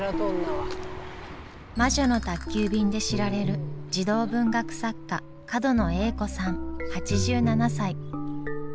「魔女の宅急便」で知られる児童文学作家角野栄子さん８７歳。